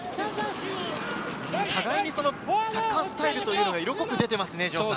互いにサッカースタイルというのが色濃く出ていますね。